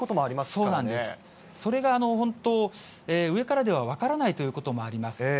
そうなんです、それが本当、上からでは分からないということもあります。